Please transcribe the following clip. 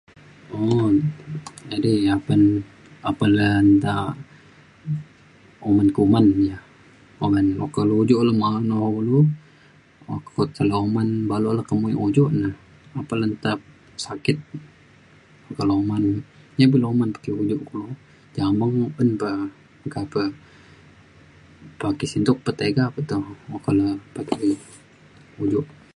un jadi apan apan le nta uman kuman ja uman ujok lu ma’an kulu [unintelligible] uman balu le ke muek ujok na apan le nta sakit meka le uman ji pe le uman pakai ujok kulo jameng un pa meka pe ake sen tuk petiga pe toh okak le [unintelligible] ujok.